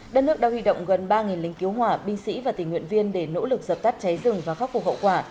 đất nước đã huy động gần ba lính cứu hỏa binh sĩ và tình nguyện viên để nỗ lực dập tắt cháy rừng và khắc phục hậu quả